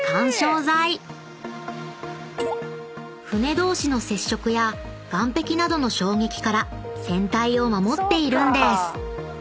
［船同士の接触や岸壁などの衝撃から船体を守っているんです］